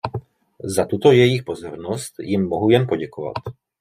Za tuto jejich pozornost jim mohu jen poděkovat .